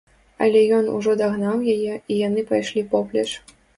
Але ён ужо дагнаў яе, і яны пайшлі поплеч.